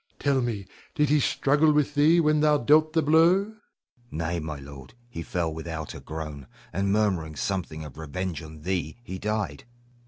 Tell me, did he struggle with thee when thou dealt the blow? Hugo. Nay, my lord; he fell without a groan, and murmuring something of revenge on thee, he died.